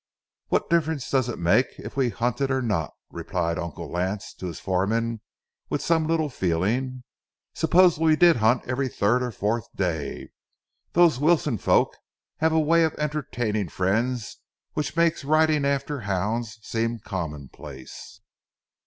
"What difference does it make if we hunted or not?" replied Uncle Lance to his foreman with some little feeling. "Suppose we did only hunt every third or fourth day? Those Wilson folks have a way of entertaining friends which makes riding after hounds seem commonplace.